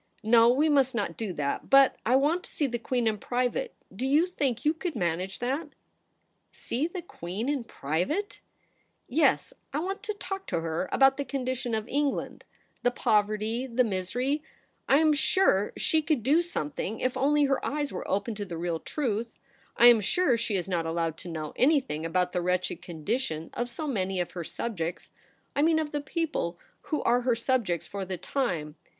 No ; we must not do that. But I want to see the Queen in private ; do you think you could manage that ?'' See the Queen in private ?'' Yes ; I want to talk to her about the condition of England — the poverty, the misery ! I am sure she could do some thing if only her eyes were opened to the real truth. I am sure she is not allowed to know anything about the wretched condition THE PRINCESS AT HOME. 175 of SO many of her subjects — I mean of the people who are her subjects for the time.